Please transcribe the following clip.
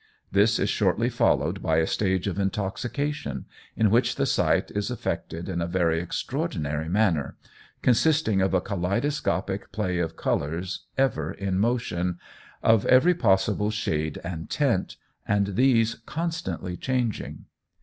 This is shortly followed by a stage of intoxication in which the sight is affected in a very extraordinary manner, consisting of a kaleidoscopic play of colours ever in motion, of every possible shade and tint, and these constantly changing.